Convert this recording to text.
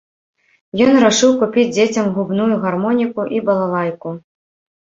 Ён рашыў купіць дзецям губную гармоніку і балалайку.